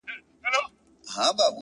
پر زود رنجۍ باندي مي داغ د دوزخونو وهم _